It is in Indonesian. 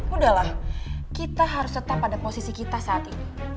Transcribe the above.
udahlah kita harus tetap pada posisi kita saat ini